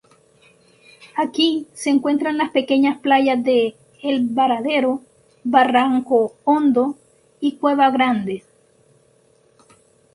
Aquí se encuentran las pequeñas playas de El Varadero, Barranco Hondo y Cueva Grande.